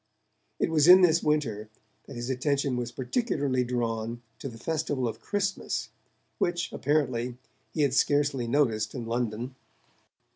It was in this winter that his attention was particularly drawn to the festival of Christmas, which, apparently, he had scarcely noticed in London.